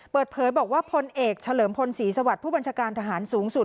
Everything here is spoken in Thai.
เปิดเผยบอกว่าพลเอกเฉลิมพลศรีสวัสดิ์ผู้บัญชาการทหารสูงสุด